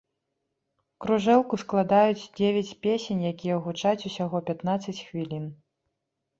Кружэлку складаюць дзевяць песень, якія гучаць усяго пятнаццаць хвілін.